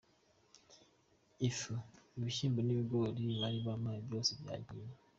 Ifu, ibishyimbo n’ibigori bari bampaye byose byagiye.